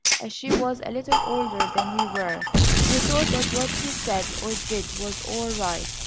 As she was a little older than we were, we thought that what she said or did was all right.